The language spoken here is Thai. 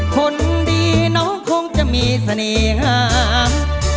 คนดีน้องคงจะมีเสน่หาม